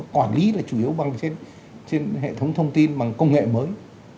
quản lý là chủ yếu bằng trên hệ thống thông tin bằng công nghệ mới